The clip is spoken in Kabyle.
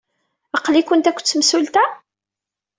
Aql-ikent akked temsulta?